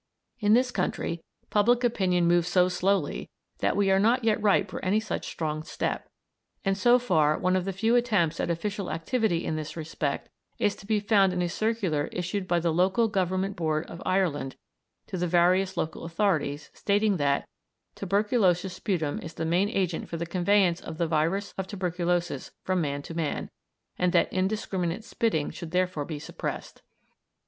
In this country public opinion moves so slowly that we are not yet ripe for any such strong step, and so far one of the few attempts at official activity in this respect is to be found in a circular issued by the Local Government Board of Ireland to the various local authorities stating that "tuberculous sputum is the main agent for the conveyance of the virus of tuberculosis from man to man, and that indiscriminate spitting should therefore be suppressed."